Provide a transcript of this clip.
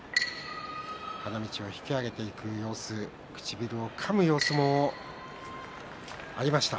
花道を引き揚げていく様子唇をかむ様子もありました。